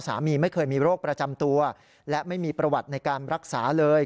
สามีไม่เคยมีโรคประจำตัวและไม่มีประวัติในการรักษาเลย